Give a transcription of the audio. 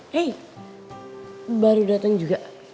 hey baru datang juga